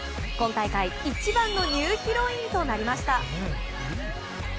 今大会一番のニューヒロインとなりました。